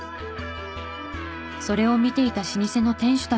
それを見ていた老舗の店主たち。